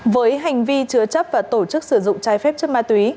với hành vi chứa chấp và tổ chức sử dụng trái phép chất ma túy